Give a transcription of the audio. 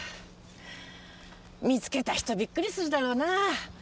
見つけた人ビックリするだろうなぁ！